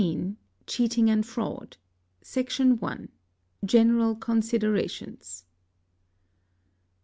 CHEATING AND FRAUD. Section i.—General Considerations.